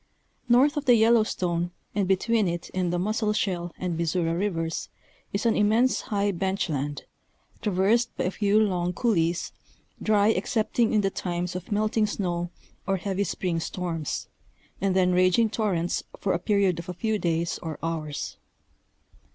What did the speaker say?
North of the Yellowstone and between it and the Musselshell and Missouri Rivers is an immense high bench land, traversed by a few long couleés, dry excepting in the times of melting snow or heavy spring storms, and then raging torrents for a period of a few days or hours.